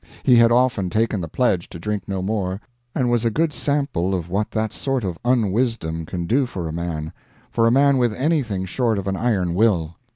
He had often taken the pledge to drink no more, and was a good sample of what that sort of unwisdom can do for a man for a man with anything short of an iron will.